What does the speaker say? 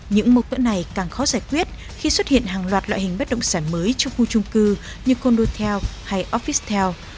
những mâu thuẫn này càng khó giải quyết khi xuất hiện hàng loạt loại hình bất động sản mới trong khu chung cư như condo town hay office town